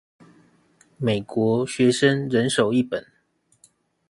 美國學生人手一本